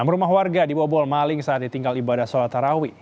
enam rumah warga dibobol maling saat ditinggal ibadah sholat tarawih